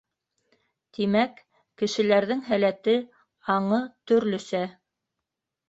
Тимәк, кешеләрҙең һәләте, аңы төрлөсә.